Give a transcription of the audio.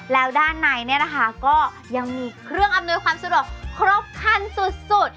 แล้วด้านในเนี่ยนะคะก็ยังมีเครื่องอำนวยความสะดวกครบคันสุด